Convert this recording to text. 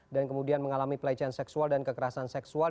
dan kemudian mengalami pelecehan seksual dan kekerasan seksual